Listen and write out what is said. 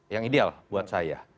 yang ideal buat saya